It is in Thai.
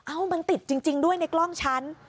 อ้าวมันติดจริงด้วยในกล้องชั้น